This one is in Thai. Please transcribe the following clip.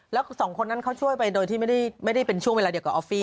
แล้วสองคนนั้นเขาช่วยไปโดยที่ไม่ได้เป็นช่วงเวลาเดียวกับออฟฟี่